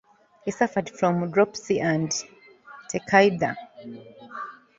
He suffered from dropsy and tachycardia.